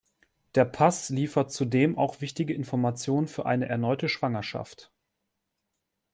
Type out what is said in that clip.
Der Pass liefert zudem auch wichtige Informationen für eine erneute Schwangerschaft.